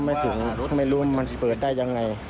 ไม่รู้มันเปิดได้อย่างไร